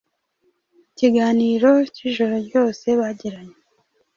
mu kiganiro cy’ijoro ryose bagiranye,